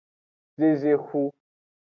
Zezexu.